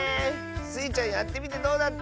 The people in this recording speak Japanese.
スイちゃんやってみてどうだった？